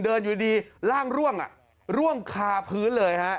อยู่ดีร่างร่วงร่วงคาพื้นเลยฮะ